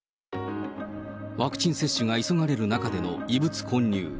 ワクチン接種が急がれる中での異物混入。